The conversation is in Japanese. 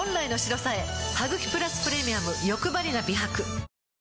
「ハグキプラスプレミアムよくばりな美白」